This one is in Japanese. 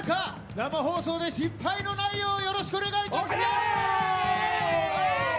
生放送で失敗のないようよろしくお願いいたします。